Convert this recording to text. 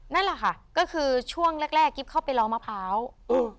นั่นแหละค่ะก็คือช่วงแรกแรกกิ๊บเข้าไปรอมะพร้าวอืม